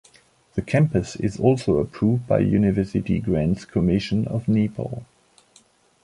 The campus is also approved by University Grants Commission of Nepal.